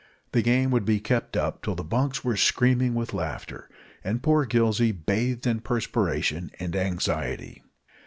The game would be kept up till the bunks were screaming with laughter, and poor Gillsey bathed in perspiration and anxiety.